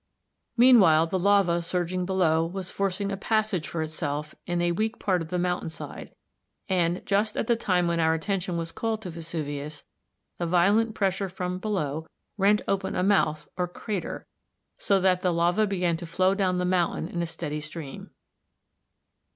Meanwhile the lava surging below was forcing a passage g for itself in a weak part of the mountain side and, just at the time when our attention was called to Vesuvius, the violent pressure from below rent open a mouth or crater at h, so that the lava began to flow down the mountain in a steady stream.